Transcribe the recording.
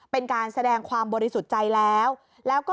เป็นการแสดงความบริสุทธิ์ใจแล้วแล้วก็